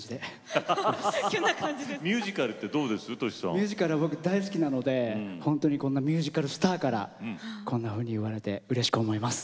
ミュージカルは僕大好きなのでほんとにこんなミュージカルスターからこんなふうに言われてうれしく思います。